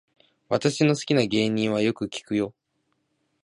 私の好きな芸能人はよく聞くよ